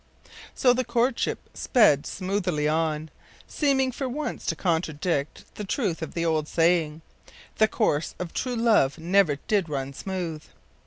” So the courtship sped smoothly on, seeming for once to contradict the truth of the old saying, “The course of true love never did run smooth.